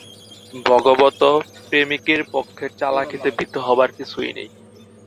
ভগবৎ-প্রেমিকের পক্ষে চালাকিতে ভীত হবার কিছুই নেই।